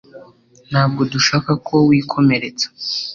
Ntabwo dushaka ko wikomeretsa